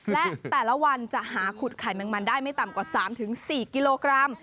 และแต่ละวันจะหาขุดไข่แมงมันได้ไม่ต่ำกว่า๓๔กิโลกรัม